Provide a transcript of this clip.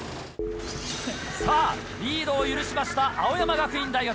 さぁリードを許しました青山学院大学。